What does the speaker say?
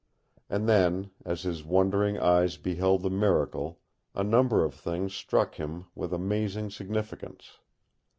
And then, as his wondering eyes beheld the miracle, a number of things struck him with amazing significance.